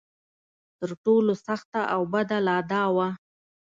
تر ټولو سخته او بده لا دا وه.